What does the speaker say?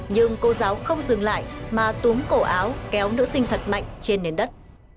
nhưng cô giáo không dừng lại mà túm cổ áo kéo nữ sinh thật mạnh trên nền đất